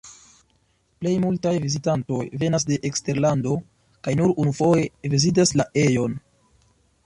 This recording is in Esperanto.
Plej multaj vizitantoj venas de eksterlando kaj nur unufoje vizitas la ejon.